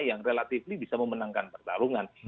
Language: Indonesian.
yang relatifly bisa memenangkan pertarungan